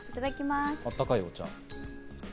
あったかいお茶。